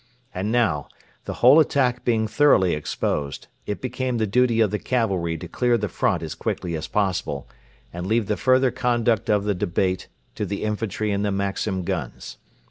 And now, the whole attack being thoroughly exposed, it became the duty of the cavalry to clear the front as quickly as possible, and leave the further conduct of the debate to the infantry and the Maxim guns.